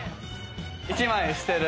１枚捨てる。